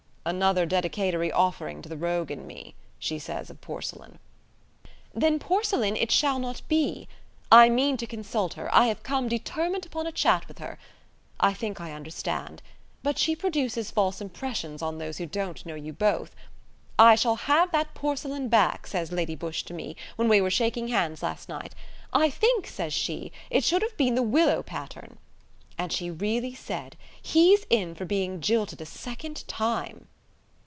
"'Another dedicatory offering to the rogue in me!' she says of porcelain." "Then porcelain it shall not be. I mean to consult her; I have come determined upon a chat with her. I think I understand. But she produces false impressions on those who don't know you both. 'I shall have that porcelain back,' says Lady Busshe to me, when we were shaking hands last night: 'I think,' says she, 'it should have been the Willow Pattern.' And she really said: 'He's in for being jilted a second time!'"